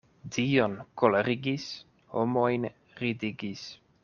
Dion kolerigis, homojn ridigis.